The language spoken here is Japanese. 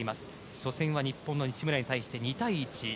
初戦は日本の西村に対して２対１。